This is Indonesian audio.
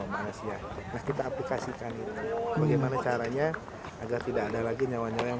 manusia nah kita aplikasikan itu bagaimana caranya agar tidak ada lagi nyawa nyawa yang